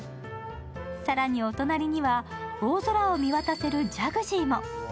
更に、お隣には大空を見渡せるジャグジーも。